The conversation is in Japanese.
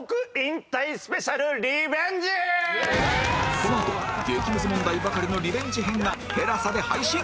このあとは激ムズ問題ばかりのリベンジ編がテラサで配信！